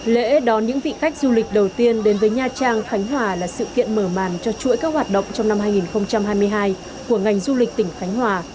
lễ đón những vị khách du lịch đầu tiên đến với nha trang khánh hòa là sự kiện mở màn cho chuỗi các hoạt động trong năm hai nghìn hai mươi hai của ngành du lịch tỉnh khánh hòa